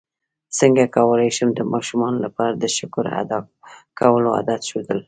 څنګه کولی شم د ماشومانو لپاره د شکر ادا کولو عادت ښوول